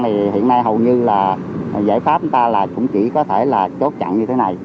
thì hiện nay hầu như giải pháp chúng ta cũng chỉ có thể chốt chặn như thế này